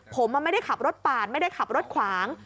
ผมไม่ได้ขับรถปาดไม่ได้ขับรถขวาง